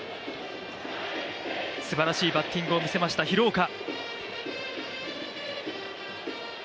すばらしいバッティングを見せました廣岡。